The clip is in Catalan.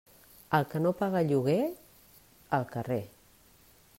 El que no paga lloguer, al carrer.